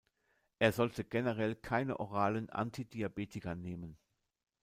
Er sollte generell keine oralen Antidiabetika nehmen.